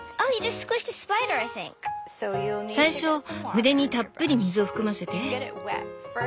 最初筆にたっぷり水を含ませて。